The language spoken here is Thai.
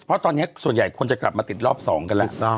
เพราะตอนนี้ส่วนใหญ่คนจะกลับมาติดรอบ๒กันแล้ว